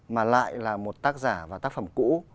mà lại là một tác giả và tác phẩm cũ